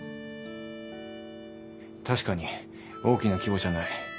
確かに大きな規模じゃない。